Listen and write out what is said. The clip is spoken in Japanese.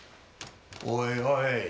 おいおい！